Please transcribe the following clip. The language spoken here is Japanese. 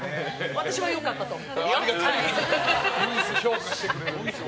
私は良かったと思うよ！